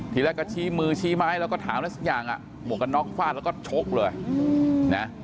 ทีแรกก็ชี้มือชี้ไม้แล้วก็ถามอะไรสักอย่างอ่ะหมวกกันน็อกฟาดแล้วก็ชกเลยนะ